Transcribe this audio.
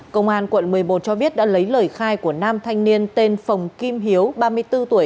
công an quận một mươi một cho biết đã lấy lời khai của nam thanh niên tên phồng kim hiếu ba mươi bốn tuổi